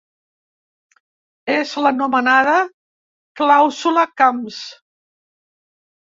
És l’anomenada ‘clàusula Camps’.